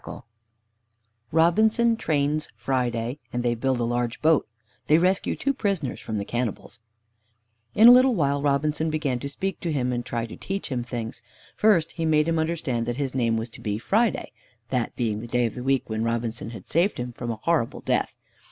VI ROBINSON TRAINS FRIDAY, AND THEY BUILD A LARGE BOAT; THEY RESCUE TWO PRISONERS FROM THE CANNIBALS In a little while Robinson began to speak to him, and to try to teach him things. First he made him understand that his name was to be "Friday" (that being the day of the week when Robinson had saved him from a horrible death).